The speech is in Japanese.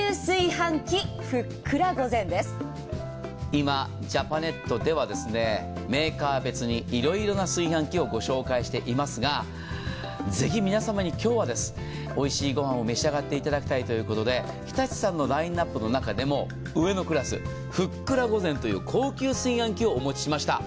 今、ジャパネットではメーカー別にいろいろな炊飯器をご紹介していますがぜひ皆様においしい御飯を召し上がっていただきたいということで、日立さんのラインナップの中でもふっくら御膳という高級炊飯器をお持ちしました。